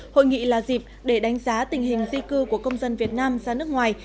hội nghị là dịp để đánh giá tình hình di cư của công dân việt nam ra nước ngoài